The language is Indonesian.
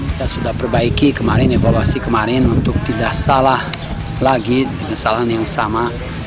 kita sudah perbaiki kemarin evaluasi kemarin untuk tidak salah lagi penyesalan yang sama